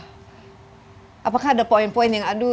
hai apakah ada poin poin yang aduh